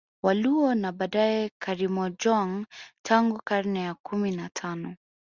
Waluo na baadae Karimojong tangu karne ya kumi na tano